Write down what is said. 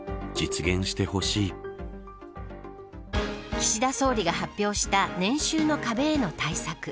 岸田総理が発表した年収の壁への対策。